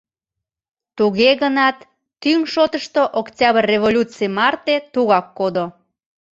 Туге гынат тӱҥ шотышто Октябрь революций марте тугак кодо.